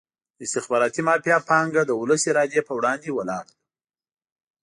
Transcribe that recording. د استخباراتي مافیا پانګه د ولس ارادې په وړاندې ولاړه ده.